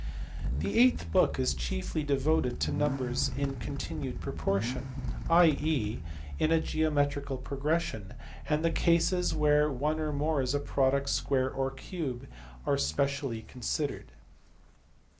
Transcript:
The eighth book is chiefly devoted to numbers in continued proportion, i.e. in a geometrical progression ; and the cases where one or more is a product, square, or cube are specially considered.